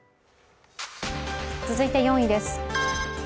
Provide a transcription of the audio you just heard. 続いて４位です。